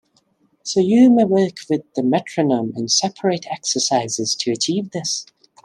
So you may work with the metronome in separate exercises to achieve this.